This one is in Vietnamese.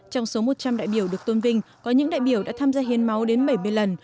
trong số một trăm linh đại biểu được tôn vinh có những đại biểu đã tham gia hiến máu đến bảy mươi lần